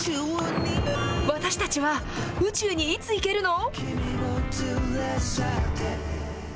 私たちは宇宙にいつ行けるの？